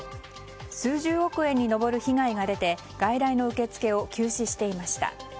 数十億円に上る被害が出て外来の受付を休止していました。